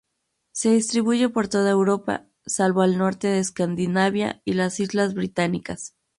Se distribuye por toda Europa, salvo el norte de Escandinavia y las islas Británicas.